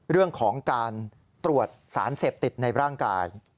เรื่องของการตรวจสารเสพติดในร่างกาย